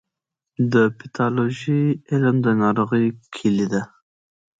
د پیتالوژي علم د ناروغیو کلي ده.